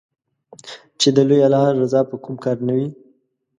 چې د لوی الله رضا په کوم کار نــــــــه وي